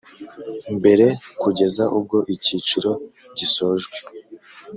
mbere kugeza ubwo icyiciro gisojwe